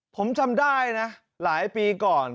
ผมจำได้นะหลายปีก่อน